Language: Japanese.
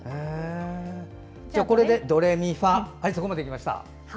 これでドレミファまでできました。